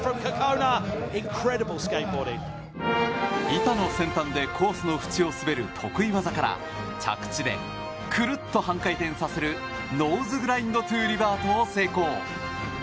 板の先端でコースの縁を滑る得意技から着地でくるっと半回転させるノーズグラインド・トゥ・リバートを成功！